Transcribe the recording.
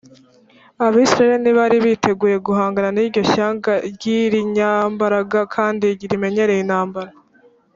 abisiraheli ntibari biteguye guhangana n’iryo shyanga ry’irinyambaraga kandi rimenyereye intambara.